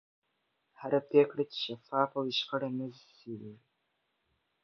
هره پرېکړه چې شفافه وي، شخړه نه زېږي.